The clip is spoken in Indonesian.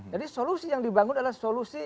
jadi solusi yang dibangun adalah solusi